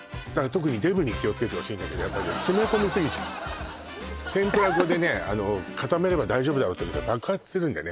特にデブに気をつけてほしいんだけどやっぱりね詰め込みすぎちゃうの天ぷら粉でねあの固めれば大丈夫だろっていうけど爆発するんでね